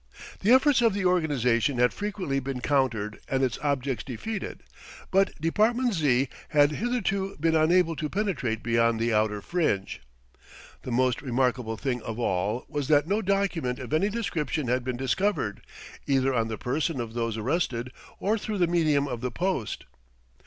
The efforts of the organisation had frequently been countered and its objects defeated; but Department Z. had hitherto been unable to penetrate beyond the outer fringe. The most remarkable thing of all was that no document of any description had been discovered, either on the person of those arrested, or through the medium of the post.